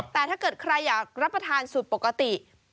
แต่ถ้าเกิดใครอยากรับประทานสูตรปกติ